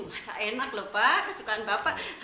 masa enak lho pak kesukaan bapak